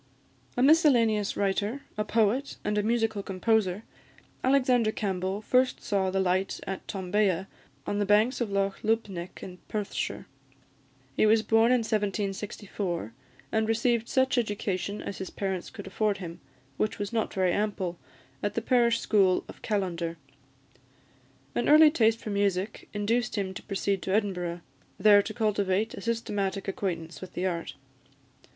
A miscellaneous writer, a poet, and a musical composer, Alexander Campbell first saw the light at Tombea, on the banks of Loch Lubnaig, in Perthshire. He was born in 1764, and received such education as his parents could afford him, which was not very ample, at the parish school of Callander. An early taste for music induced him to proceed to Edinburgh, there to cultivate a systematic acquaintance with the art.